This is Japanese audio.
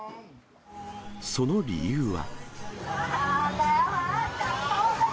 その理由は。